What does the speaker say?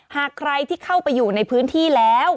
หากใครที่เข้าไปอยู่ในพื้นที่แล้ว